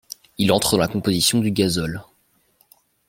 Il entre dans la composition du gazole.